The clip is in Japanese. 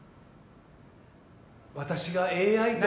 私がＡＩと。